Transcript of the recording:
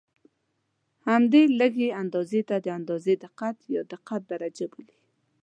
همدې لږې اندازې ته د اندازې دقت یا دقت درجه بولي.